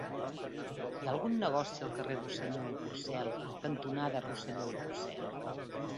Hi ha algun negoci al carrer Rosselló i Porcel cantonada Rosselló i Porcel?